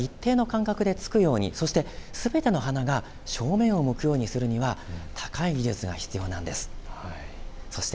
こうして花が一定の間隔でつくように、そしてすべての花が正面を向くようにするのは高い技術が必要なんです。